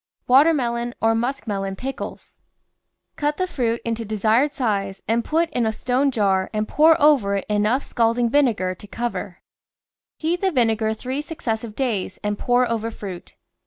WATER MELON OR MUSK MELON PICKLES Cut the fruit into desired size and put in a stone jar and pour over it enough scalding vinegar to THE VEGETABLE GARDEN cover. Heat the vinegar three successive days and pour over fruit.